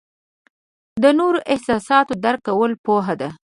د نورو احساسات درک کول پوهه ده.